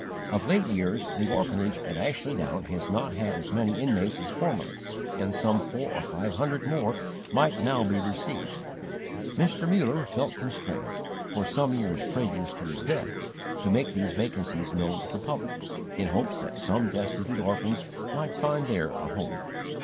Of late years the orphanage at Ashley Down has not had as many inmates as formerly, and some four or five hundred more might now be received. Mr. MUller felt constrained, for some years previous to his death, to make these vacancies known to the public, in hopes that some destitute orphans might find there a home.